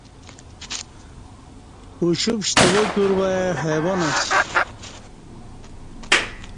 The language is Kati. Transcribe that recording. اُوشپ شتوا کیور وائی حیوان اسہ